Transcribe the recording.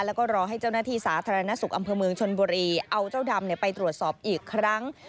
แล้วก็รอให้เจ้าหน้าที่สาธารณสุขอำเภอเมืองชนบุรีเอาเจ้าดำไปตรวจสอบอีกครั้ง